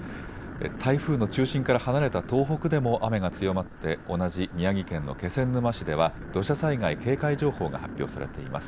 台風の中心から離れた東北でも雨が強まって同じ宮城県の気仙沼市では土砂災害警戒情報が発表されています。